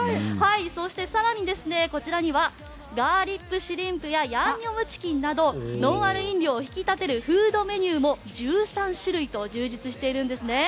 そして更に、こちらにはガーリックシュリンプやヤンニョムチキンなどノンアル飲料を引き立てるフードメニューも１３種類と充実しているんですね。